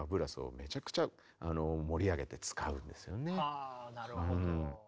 はあなるほど。